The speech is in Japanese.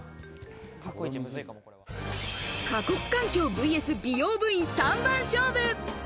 過酷環境ｖｓ美容部員、３番勝負。